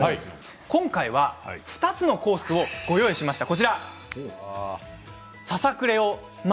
今回は２つのコースをご用意しました。